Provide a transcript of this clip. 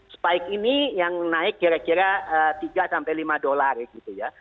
spike ini yang naik kira kira tiga sampai lima dolar gitu ya